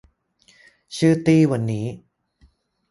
ชื่อตี้วันนี้